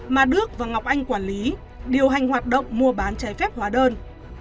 mà đức và ngọc anh quản lý điều hành hoạt động mua bán trái phép hóa đơn